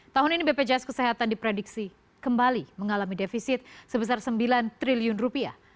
tahun ini bpjs kesehatan diprediksi kembali mengalami defisit sebesar sembilan triliun rupiah